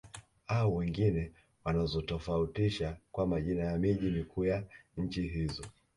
Au wengine wanazitofautisha kwa majina ya miji mikuu ya nchi hizo